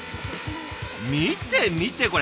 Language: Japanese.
見て見てこれ。